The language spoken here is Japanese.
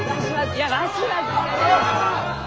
いやわしはえい！